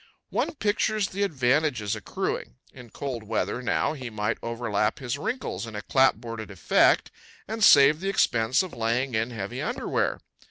One pictures the advantages accruing. In cold weather, now, he might overlap his wrinkles in a clapboarded effect and save the expense of laying in heavy underwear.